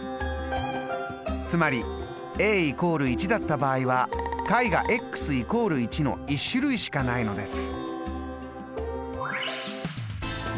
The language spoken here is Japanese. つまり＝１だった場合は解が＝１の１種類しかないのです。